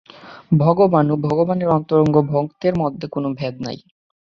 ভগবান ও ভগবানের অন্তরঙ্গ ভক্তের মধ্যে কোন ভেদ নাই।